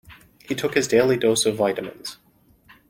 He took his daily dose of vitamins.